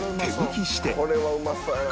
これはうまそうやな。